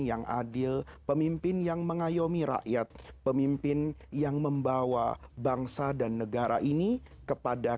yang adil pemimpin yang mengayomi rakyat pemimpin yang membawa bangsa dan negara ini kepada